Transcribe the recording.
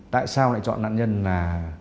tại sao lại chọn nạn nhân là